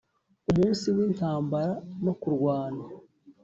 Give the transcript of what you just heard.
umunsi w’intambara no kurwana